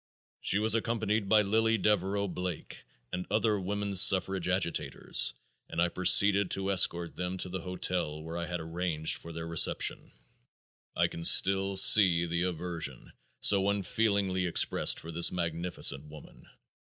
She was accompanied by Lily Devereaux Blake and other woman suffrage agitators and I proceeded to escort them to the hotel where I had arranged for their reception. I can still see the aversion so unfeelingly expressed for this magnificent woman.